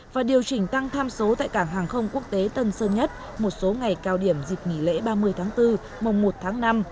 và điều chỉnh tăng tham số tại cảng hàng không quốc tế tân sơn nhất một số ngày cao điểm dịp nghỉ lễ ba mươi tháng bốn mùng một tháng năm